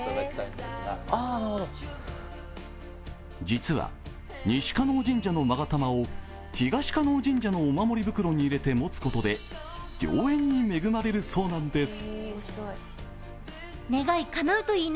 実は西叶神社のまが玉を東叶神社の御守袋に入れて持つことで良縁に恵まれるそうなんです。